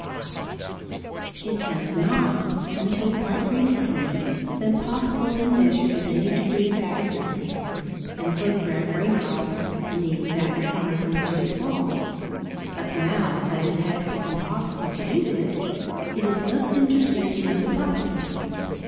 Two forms, the arborescent and feather types] It has not until quite recently been possible to measure with any degree of accuracy, and photograph raindrops in the exact size in which they fall. But now that it has become possible to do this, it is most interesting to know the process.